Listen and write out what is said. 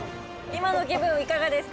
今の気分いかがですか？